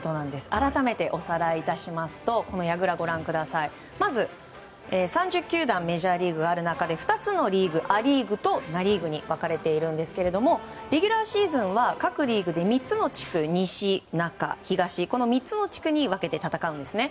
改めておさらいしますとまず３０球団がメジャーリーグある中で２つのリーグア・リーグとナ・リーグに分かれているんですがレギュラーシーズンは各リーグで西、中、東この３つの地区に分けて戦うんですね。